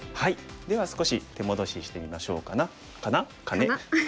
では少し手戻ししてみましょうかな。かな？かね。